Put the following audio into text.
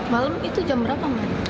malam itu jam berapa mbak